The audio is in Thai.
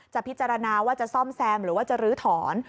พิจารณาว่าจะซ่อมแซมหรือว่าจะลื้อถอน